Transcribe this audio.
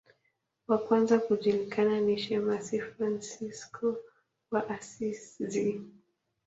Wa kwanza kujulikana ni shemasi Fransisko wa Asizi.